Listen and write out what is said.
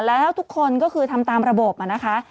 แล้วทุกคนก็คือทำตามระบบนะคะ